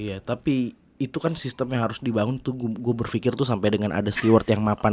iya tapi itu kan sistem yang harus dibangun tuh gue berpikir tuh sampai dengan ada steward yang mapan